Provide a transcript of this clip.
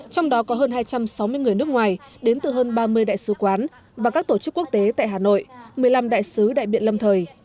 trong đó có hơn hai trăm sáu mươi người nước ngoài đến từ hơn ba mươi đại sứ quán và các tổ chức quốc tế tại hà nội một mươi năm đại sứ đại biện lâm thời